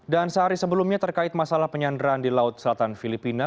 dan sehari sebelumnya terkait masalah penyanderaan di laut selatan filipina